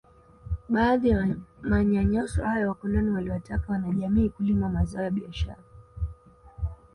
Baadhi ya manyanyaso hayo wakoloni waliwataka wanajamii kulima mazao ya biashara